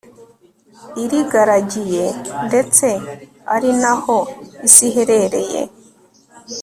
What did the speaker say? irigaragiye ndetse ari naho isi iherereye